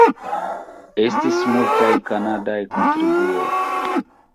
Estis multaj kanadaj kontribuoj.